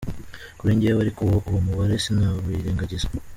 Kuri njyewe ariko uwo mubare sinawirengagiza.”